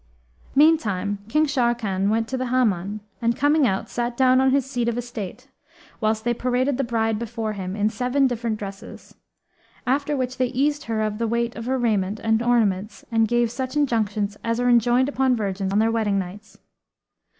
Meantime King Sharrkan went to the Hammam and coming out, sat down on his seat of estate, whilst they paraded the bride before him in seven different dresses: after which they eased her of the weight of her raiment and ornaments and gave such injunctions as are enjoined upon virgins on their wedding nights.